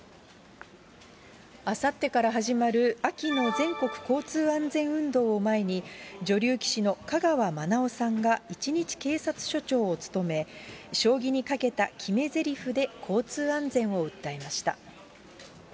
あさってから始まる秋の全国交通安全運動を前に、女流棋士の香川愛生さんが一日警察署長を務め、将棋にかけた決めぜりふで交通安全を訴えました。